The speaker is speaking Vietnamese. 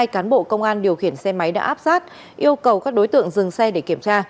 hai cán bộ công an điều khiển xe máy đã áp sát yêu cầu các đối tượng dừng xe để kiểm tra